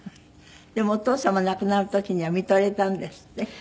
でもお父様亡くなる時にはみとれたんですって？